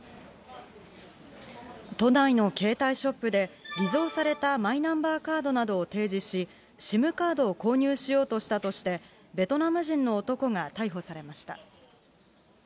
都内の携帯ショップで、偽造されたマイナンバーカードなどを提示し、ＳＩＭカードを購入しようとしたとして、ベトナム人の男が逮捕されました。